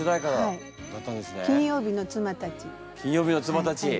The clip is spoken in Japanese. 「金曜日の妻たちへ」。